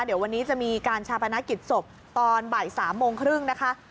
เดี๋ยววันนี้จะมีการชาปนกิจศพตอนบ่าย๓โมงครึ่งนะคะ